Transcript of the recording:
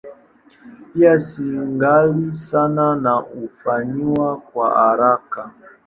Pia si ghali sana na hufanywa kwa haraka.